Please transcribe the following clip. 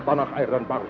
tanah air dan bangunan